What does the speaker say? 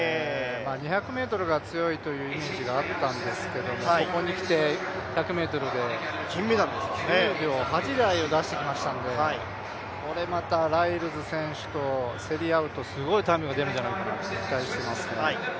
２００ｍが強いというイメージがあったんですけどもここにきて１００ｍで、９秒８台を出してきましたので、これまたライルズ選手と競り合うとすごいタイムが出るんじゃないかなと期待していますけど。